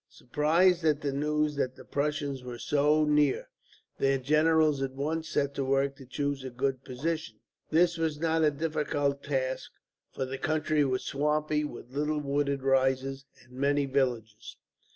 Surprised at the news that the Prussians were so near, their generals at once set to work to choose a good position. This was not a difficult task, for the country was swampy, with little wooded rises and many villages.